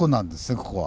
ここは。